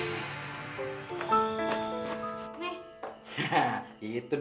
nih gue ada duit segini